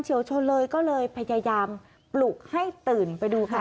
วชนเลยก็เลยพยายามปลุกให้ตื่นไปดูค่ะ